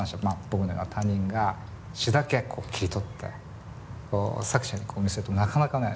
僕のような他人が詞だけ切り取って作者に見せるとなかなかね